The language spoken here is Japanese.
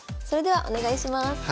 それではお願いします。